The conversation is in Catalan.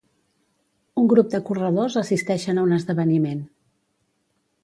Un grup de corredors assisteixen a un esdeveniment.